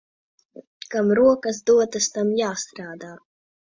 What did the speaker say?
Kam rokas dotas, tam jāstrādā.